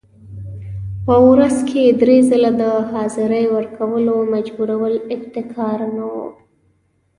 په ورځ کې درې ځله د حاضرۍ ورکولو مجبورول ابتکار نه و.